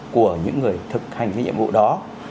của những người thực hành cái nhiệm vụ đó